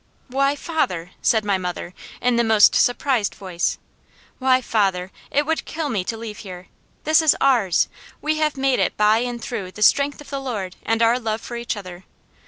"Why, father!" said my mother in the most surprised voice. "Why, father, it would kill me to leave here. This is ours. We have made it by and through the strength of the Lord and our love for each other.